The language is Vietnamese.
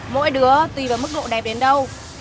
mỗi đứa tùy vào mức độ đẹp đến đâu